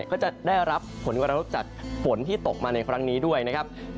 ก็จะได้รับผลกระทบจากฝนที่ตกมาในครั้งนี้ด้วยนะครับ